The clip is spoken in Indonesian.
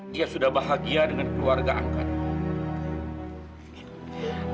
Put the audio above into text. dia sudah bahagia dengan keluarga angkat